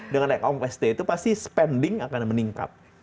dengan ekonomi stay itu pasti spending akan meningkat